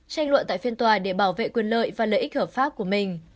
tranh luận tại phiên tòa để bảo vệ quyền lợi và lợi ích hợp pháp của mình